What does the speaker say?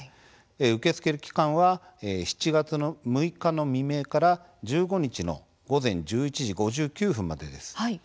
受け付ける期間は７月６日の未明から１５日の午前１１時５９分までです。